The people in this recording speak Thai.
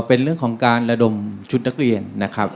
เป็นเรื่องของการระดมชุดนักเรียนนะครับ